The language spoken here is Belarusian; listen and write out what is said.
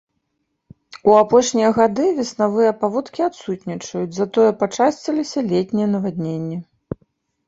У апошнія гады веснавыя паводкі адсутнічаюць, затое пачасціліся летнія навадненні.